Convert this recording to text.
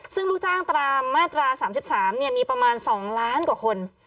ซึ่งลูกจ้างตรามาตราสามสิบสามเนี่ยมีประมาณสองล้านกว่าคน